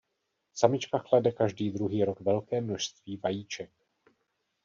Samička klade každý druhý rok velké množství vajíček.